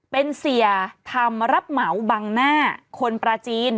เป็นเสียทำรับเหมาบังหน้าคนปราจีน